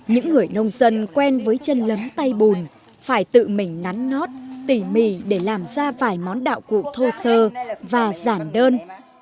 những người nông dân quen với chân lấm tay bùn phải tự mình nắn nót tỉ mỉ để làm ra vài món đạo cụ thô sơ và giản đơn